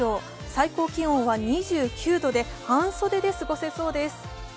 最高気温は２９度で半袖で過ごせそうです。